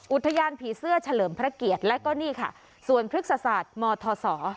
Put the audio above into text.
อุทยานผีเสื้อเฉลิมพระเกียรติและก็นี่ค่ะสวนพฤกษศาสตร์มทศ